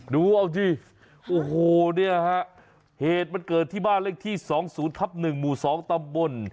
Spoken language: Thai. ดูเอาสิโอ้โหเนี่ยฮะเหตุมันเกิดที่บ้านเลขที่๒๐ทับ๑หมู่๒ตำบล